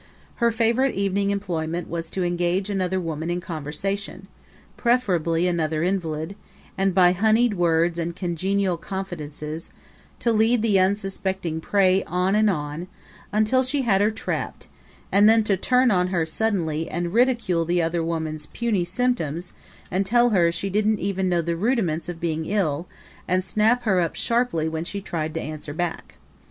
Her favorite evening employment was to engage another woman in conversation preferably another invalid and by honeyed words and congenial confidences, to lead the unsuspecting prey on and on, until she had her trapped, and then to turn on her suddenly and ridicule the other woman's puny symptoms and tell her she didn't even know the rudiments of being ill and snap her up sharply when she tried to answer back.